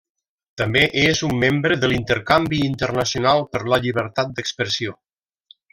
També és un membre de l'Intercanvi Internacional per la Llibertat d'Expressió.